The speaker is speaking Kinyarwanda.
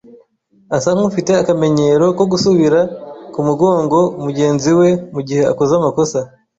Asa nkufite akamenyero ko gusubira kumugongo mugenzi we mugihe akoze amakosa.